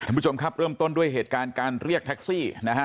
คุณผู้ชมครับเริ่มต้นด้วยเหตุการณ์การเรียกแท็กซี่นะฮะ